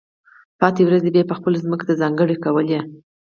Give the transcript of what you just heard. پاتې ورځې به یې خپلو ځمکو ته ځانګړې کولې.